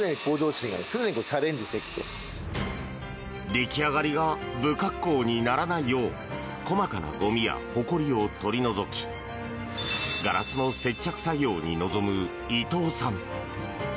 出来上がりが不格好にならないよう細かなゴミやほこりを取り除きガラスの接着作業に臨む伊藤さん。